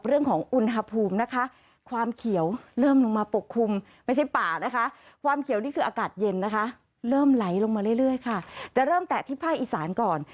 เริ่มไหลลงมาเรื่อยค่ะจะเริ่มแต่ที่ภายอิสานก่อน